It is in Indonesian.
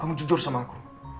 kamu jujur sama aku